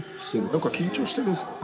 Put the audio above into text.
なんか緊張してるんですか？